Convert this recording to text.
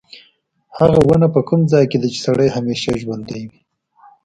هغه ونه په کوم ځای کې ده چې سړی همیشه ژوندی وي.